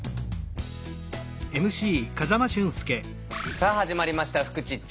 さあ始まりました「フクチッチ」。